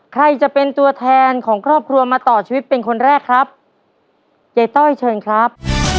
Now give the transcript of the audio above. ใครจะเป็นตัวแทนของครอบครัวมาต่อชีวิตเป็นคนแรกครับยายต้อยเชิญครับ